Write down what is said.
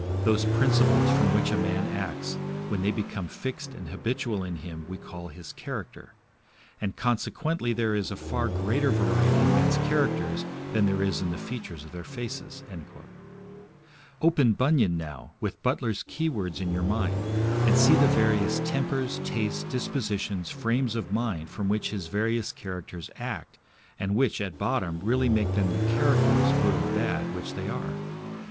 . those principles from which a man acts, when they become fixed and habitual in him we call his character ... And consequently there is a far greater variety in men's characters than there is in the features of their faces.' Open Bunyan now, with Butler's keywords in your mind, and see the various tempers, tastes, dispositions, frames of mind from which his various characters act, and which, at bottom, really make them the characters, good or bad, which they are.